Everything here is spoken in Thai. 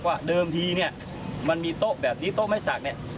เดิมทีเนี่ยมันมีโต๊ะแบบนี้โต๊ะไม้สักเนี่ย